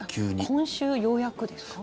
今週ようやくですか？